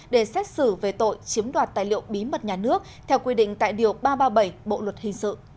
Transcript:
để xét xử về tội chiếm đoạt tài liệu bí mật nhà nước theo quy định tại điều ba trăm ba mươi bảy bộ luật hình sự